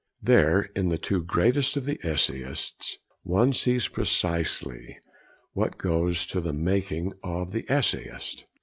There, in the two greatest of the essayists, one sees precisely what goes to the making of the essayist.